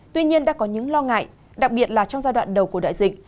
tuy nhiên đã có những lo ngại đặc biệt là trong giai đoạn đầu của đại dịch